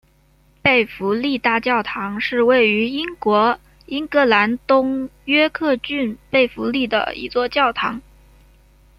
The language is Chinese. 贝弗利大教堂是位于英国英格兰东约克郡贝弗利的一座教堂。